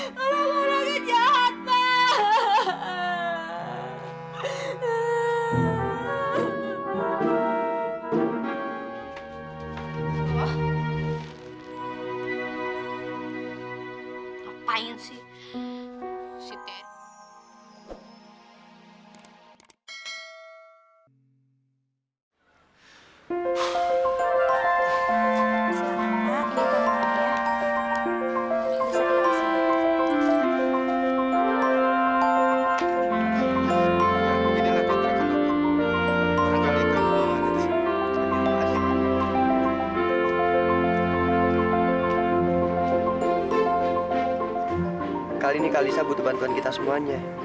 kali ini kak alisa butuh bantuan kita semuanya